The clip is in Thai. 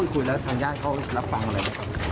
เต้นคุยแล้วทางญาติเขารับฟังอะไร